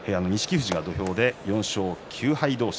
富士が土俵で４勝９敗同士